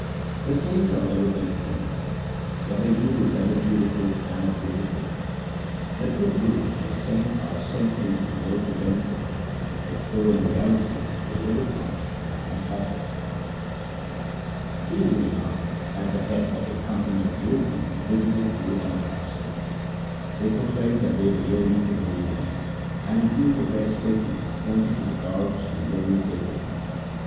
The saints are ever independent. What they do is ever beautiful and of good report. The true Guru and the saints are sent into the world to benefit it, though in reality they live apart and are not of it.' Kingurinath, at the head of a company of Jogis, visited Guru Amar Das. They proclaimed that they were Jogis and holy men, and in proof of their state ment pointed to the garbs and earrings they wore.